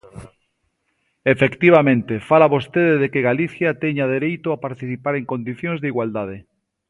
Efectivamente, fala vostede de que Galicia teña dereito a participar en condicións de igualdade.